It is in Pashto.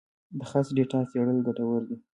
د خرڅ ډیټا څېړل ګټور دي.